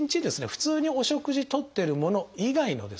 普通にお食事とってるもの以外のですね